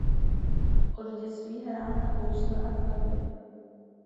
Od dětství hrál na housle a klavír.